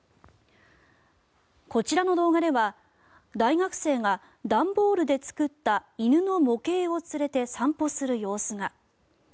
こちらの動画では大学生が段ボールで作った犬の模型を連れて散歩する様子が。